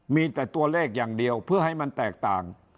มีแต่ตัวเลขอย่างเดียวเพื่อให้มันแตกต่าง